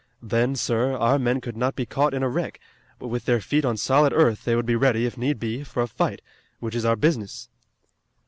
Then, sir, our men could not be caught in a wreck, but with their feet on solid earth they would be ready, if need be, for a fight, which is our business."